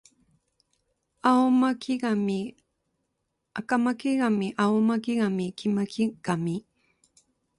赤巻上青巻紙黄巻紙